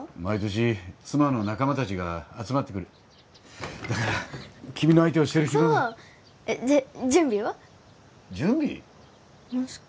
毎年妻の仲間達が集まってくるだから君の相手をしてる暇はそう！